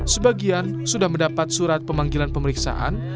sebagian sudah mendapat surat pemanggilan pemeriksaan